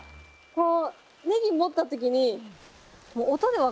こう。